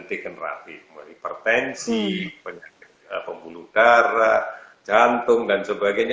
degenerapi hipertensi pembuluh darah jantung dan sebagainya